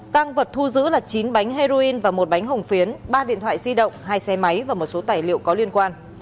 tăng vật thu giữ là chín bánh heroin và một bánh hồng phiến ba điện thoại di động hai xe máy và một số tài liệu có liên quan